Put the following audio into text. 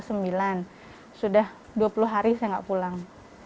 sudah dua puluh hari saya nggak pulang